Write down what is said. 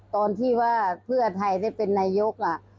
ตอนที่ว่าเพื่อไทยได้เป็นนายก